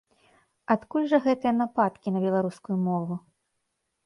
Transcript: Адкуль жа гэтыя нападкі на беларускую мову?